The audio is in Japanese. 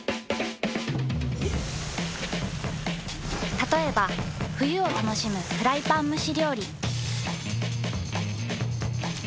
たとえば冬を楽しむフライパン蒸し料理。